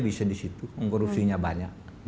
bisa disitu korupsinya banyak